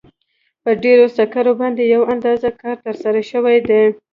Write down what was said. په ډبرو سکرو باندې یو اندازه کار ترسره شوی دی.